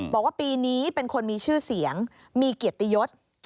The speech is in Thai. บอกว่าปีนี้เป็นคนมีชื่อเสียงมีเกียรติยศ